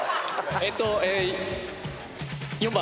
えっと４番。